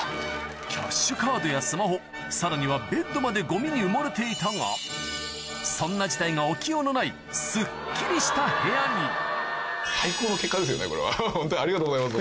キャッシュカードやスマホさらにはベッドまでゴミに埋もれていたがそんな事態が起きようのないすっきりした部屋にこれはホントにありがとうございます。